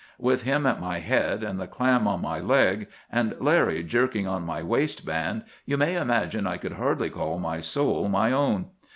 With him at my head, and the clam on my leg, and Larry jerking on my waistband, you may imagine I could hardly call my soul my own.